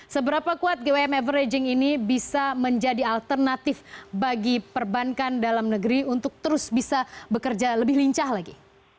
seberapa kuat gwm averaging ini bisa menjadi alternatif bagi perbankan dalam negeri untuk terus bisa bekerja lebih lincah lagi